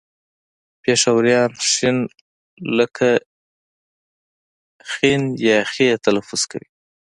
پېښوريان ښ لکه خ تلفظ کوي